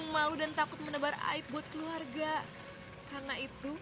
mas prajurit reuni cadawa